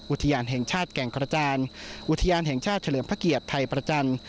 อุทยานแห่งชาติแก่งกระจานอุทยานแห่งชาติเฉลิมพระเกียรติภัยประจันทร์